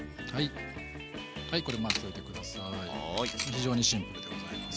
非常にシンプルでございます。